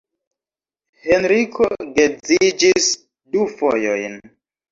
Henriko geedziĝis du fojojn.